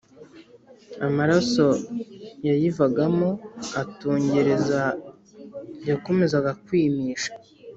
Amaraso yayivagamo atungereza yakomezaga kwimisha